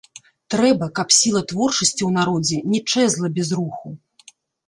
Трэба, каб сіла творчасці ў народзе не чэзла без руху.